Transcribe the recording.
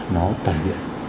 nó toàn diện